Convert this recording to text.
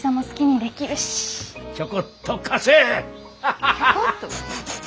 ちょこっと？